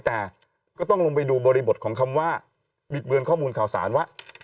แต่ก็ต้องลงไปดูบริบทของคำว่าบิดเบือนข้อมูลข่าวสารว่า